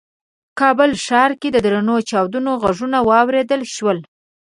کابل ښار کې د درنو چاودنو غږونه واورېدل شول.